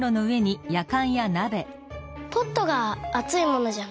ポットがあついものじゃない？